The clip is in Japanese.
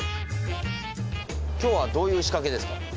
今日はどういう仕掛けですか？